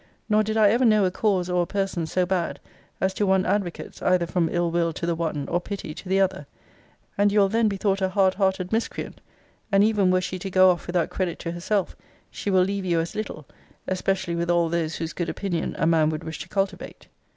Nor did I ever know a cause or a person so bad, as to want advocates, either from ill will to the one, or pity to the other: and you will then be thought a hard hearted miscreant: and even were she to go off without credit to herself, she will leave you as little; especially with all those whose good opinion a man would wish to cultivate.